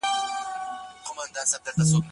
پردی ږغ پردی مُلا وي پر منبر پر منارونو